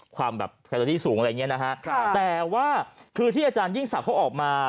ความแบบแพลตอรี่สูงอะไรอย่างเงี้นะฮะค่ะแต่ว่าคือที่อาจารยิ่งศักดิ์เขาออกมา